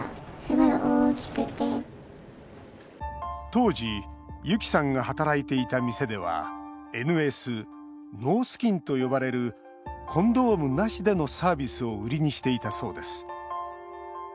当時ユキさんが働いていた店ではＮＳ＝ノースキンと呼ばれるコンドームなしでのサービスを売りにしていたそうです。